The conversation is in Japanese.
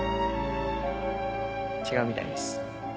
違うみたいです。